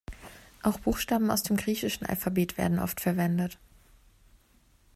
Auch Buchstaben aus dem griechischen Alphabet werden oft verwendet.